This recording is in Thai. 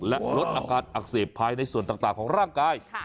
และลดอาการอักเสบภายในส่วนต่างของร่างกาย